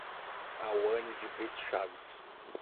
Auane de Brito Chaves